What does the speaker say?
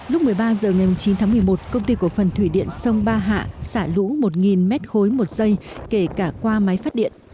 lúc một mươi ba h ngày chín tháng một mươi một công ty cổ phần thủy điện sông ba hạ xả lũ một mét khối một giây kể cả qua máy phát điện